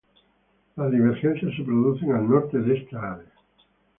Las divergencias se producen al norte de esta área.